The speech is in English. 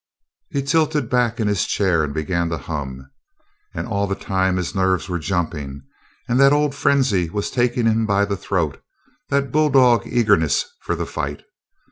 He tilted back in his chair and began to hum. And all the time his nerves were jumping, and that old frenzy was taking him by the throat, that bulldog eagerness for the fight.